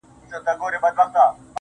زما د زړه کوچۍ پر سپينه زنه خال وهي~